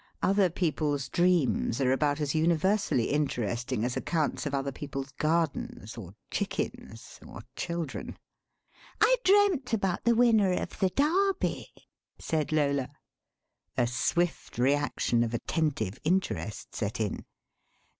Other people's dreams are about as universally interesting as accounts of other people's gardens, or chickens, or children. "I dreamt about the winner of the Derby," said Lola. A swift reaction of attentive interest set in.